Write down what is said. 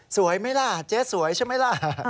สวยไหมล่ะเจ๊สวยใช่ไหมล่ะ